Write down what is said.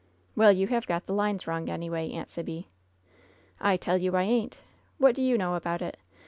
"Well, you have got the lines wrong, anyway. Aunt Sibby." "I tell you I ain't! What do you know about it?